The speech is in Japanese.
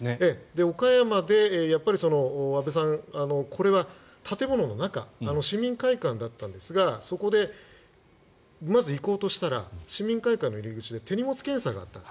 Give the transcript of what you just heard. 岡山でやっぱり、安倍さんこれは建物の中市民会館だったんですがそこで、まず行こうとしたら市民会館の入り口で手荷物検査があったと。